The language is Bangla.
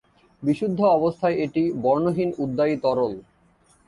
বিশুদ্ধ অবস্থায় এটি বর্ণহীন উদ্বায়ী তরল।